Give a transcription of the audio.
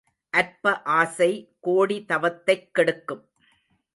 அற்ப ஆசை கோடி தவத்தைக் கெடுக்கும்.